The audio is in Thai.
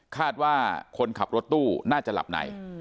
คาดว่าคนขับรถตู้น่าจะหลับใน